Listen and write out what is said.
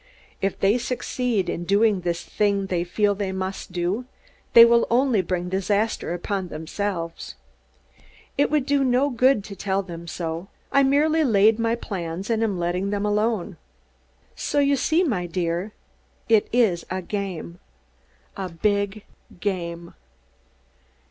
If they succeed in doing this thing they feel they must do, they will only bring disaster upon themselves. It would do no good to tell them so; I merely laid my plans and am letting them alone. So, you see, my dear, it is a big game a big game!"